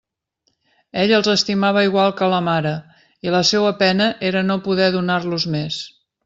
Ell els estimava igual que a la mare, i la seua pena era no poder donar-los més.